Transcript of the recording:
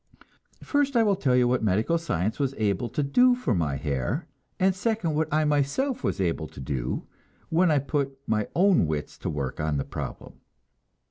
First I will tell you what medical science was able to do for my hair, and second what I myself was able to do, when I put my own wits to work on the problem.